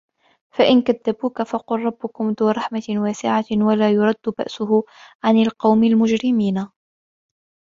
فإن كذبوك فقل ربكم ذو رحمة واسعة ولا يرد بأسه عن القوم المجرمين